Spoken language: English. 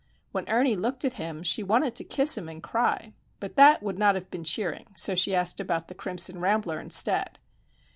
When Ernie looked at him, she wanted to kiss him and cry;—but that would not have been cheering, so she asked about the crimson rambler, instead.